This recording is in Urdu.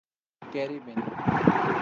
کریبیائی